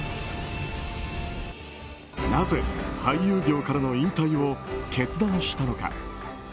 なぜ、俳優業からの引退を決断したのか。